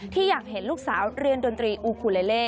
อยากเห็นลูกสาวเรียนดนตรีอูคูเลเล